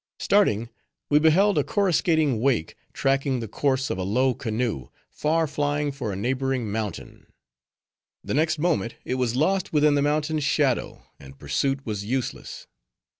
Starting, we beheld a corruscating wake, tracking the course of a low canoe, far flying for a neighboring mountain. The next moment it was lost within the mountain's shadow and pursuit was useless.